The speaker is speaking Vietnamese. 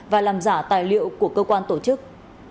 và làm giả tài liệu của cơ quan tổ chức